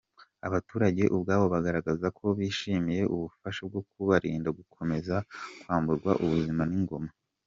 Abaturage ubwabo bagaragaza ko bishimiye ubufasha bwo kubarinda gukomeza kwamburwa ubuzima n’ingona.